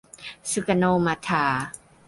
ซูการ์โน มะทา